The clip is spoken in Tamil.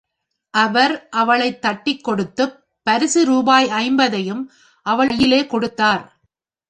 அவர் அவளைத் தட்டிக் கொடுத்துப் பரிசு ரூபாய் ஐம்பதையும் அவள் கையிலே கொடுத்தார்.